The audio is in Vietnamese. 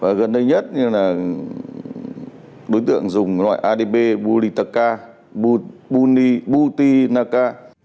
và gần đây nhất là đối tượng dùng loại adp butinaca